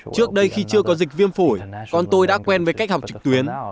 trước đây khi chưa có dịch viêm phổi con tôi đã quen với cách học trực tuyến